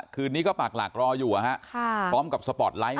คืนนี้ก็ปากหลักรออยู่พร้อมกับสปอร์ตไลท์